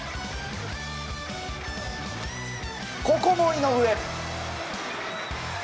ここも井上。